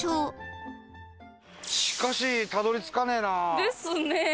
しかしたどり着かねえな。ですね。